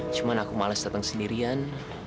cuma aku males datang sendirian